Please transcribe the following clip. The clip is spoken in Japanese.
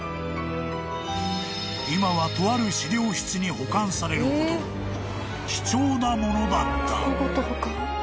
［今はとある資料室に保管されるほど貴重なものだった］